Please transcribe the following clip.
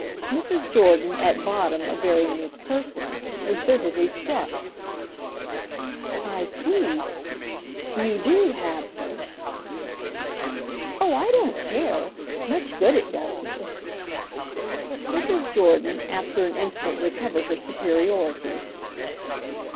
Mrs. Jordan, at bottom a very meek person, was visibly struck. "I see. You do 'have' them." "Oh I don't care! Much good it does me!" Mrs. Jordan after an instant recovered her superiority.